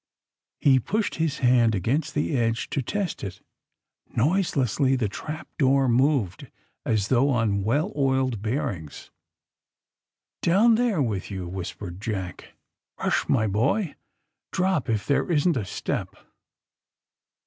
He pushed his hand against the edge to test it. Noiselessly the trap door moved, as though on well oiled bearings. *^Down there with you," whispered Jack. *^Eush, my boy! Drop — if there isn't a step."